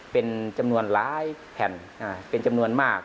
เป็นจำนวนหลายแผ่นเป็นจำนวนมาก